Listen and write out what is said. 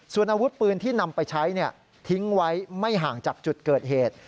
ส่วนอาวุธปืนที่นำไปใช้ทิ้งไว้ไม่ห่างจากจุดเกิดเหตุ